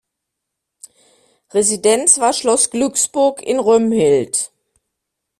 Residenz war Schloss Glücksburg in Römhild.